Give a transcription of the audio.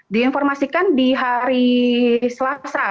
diinformasikan di hari selasa